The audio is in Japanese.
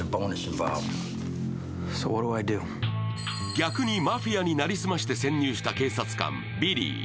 逆に、マフィアに成り済まして潜入した警察官・ビリー。